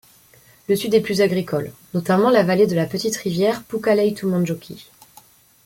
Le sud est plus agricole, notamment la vallée de la petite rivière Punkalaitumenjoki.